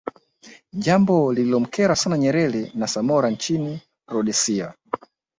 Jambo lililomkera sana Nyerere na Samora Nchini Rhodesia